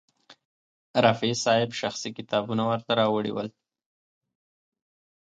رفیع صاحب شخصي کتابونه ورته راوړي ول.